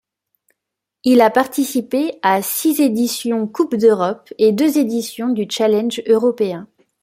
Il a participé à six éditions Coupes d'Europe et deux éditions du Challenge européen.